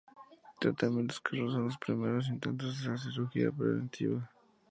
Tratamientos que rozan los primeros intentos de la cirugía preventiva.